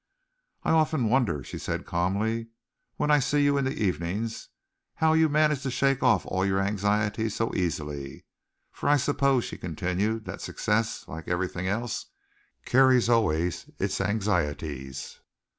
"I often wonder," she said calmly, "when I see you in the evenings, how you manage to shake off all your anxieties so easily, for I suppose," she continued, "that success, like everything else, carries always its anxieties."